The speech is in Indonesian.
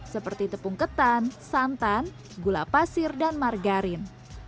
seperti tepung ketan santan gula pasir dan margarin